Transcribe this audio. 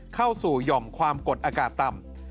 เข้าสู่หย่อมความกดอากาศต่ำ